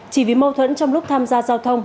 chỉ vì mâu thuẫn trong lúc tham gia giao thông